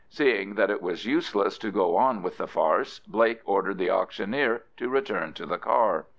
Seeing that it was useless to go on with the farce, Blake ordered the auctioneer to return to the car.